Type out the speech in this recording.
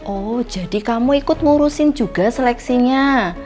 oh jadi kamu ikut ngurusin juga seleksinya